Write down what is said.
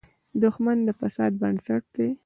دښمن د فساد بنسټ دی